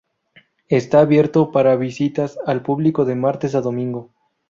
Está abierto para visitas al público de martes a domingo.